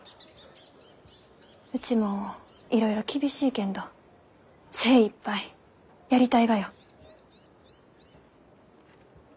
うちもいろいろ厳しいけんど精いっぱいやりたいがよ。